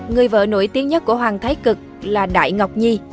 người vợ nổi tiếng nhất của hoàng thái cực là đại ngọc nhi